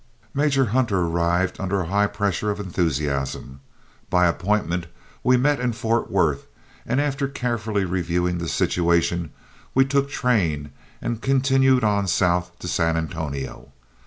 Major Hunter arrived under a high pressure of enthusiasm. By appointment we met in Fort Worth, and after carefully reviewing the situation we took train and continued on south to San Antonio.